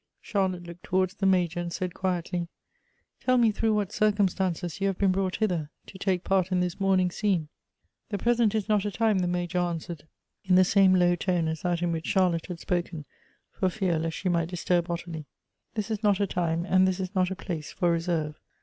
Char lotte looked towards the Major, and said quietly :" Tell me through what circumstances you have been brought hither, to take part in this mourning scene." "The present is not a time," the Major answered, in the same low tone as that in which Charlotte had spoken, for fear lest she might disturb Ottilie; "this is not a time and this is not a place for reserve.